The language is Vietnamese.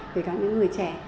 với cả những người trẻ